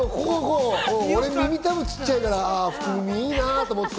俺、耳たぶ小っちゃいから、福耳いいなと思った。